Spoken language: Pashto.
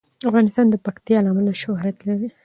افغانستان د پکتیا له امله شهرت لري.